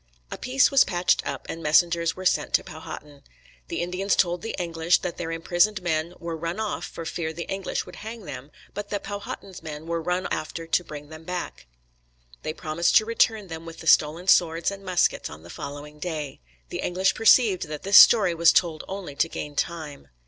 A peace was patched up and messengers were sent to Powhatan. The Indians told the English that their imprisoned men "were run off" for fear the English would hang them, but that Powhatan's men "were run after to bring them back." They promised to return them with the stolen swords and muskets on the following day. The English perceived that this story was told only to gain time.